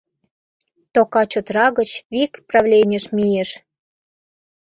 Тока чодра гыч вик правленийыш мийыш.